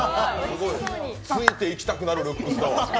ついていきたくなるルックスだわ。